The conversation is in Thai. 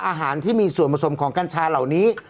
อาหารที่มีส่วนผสมของกัญชาเหล่านี้